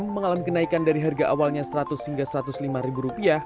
mengalami kenaikan dari harga awalnya seratus hingga rp satu ratus lima ribu rupiah